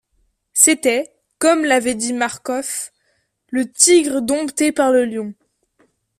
C'était, comme l'avait dit Marcof, le tigre dompté par le lion.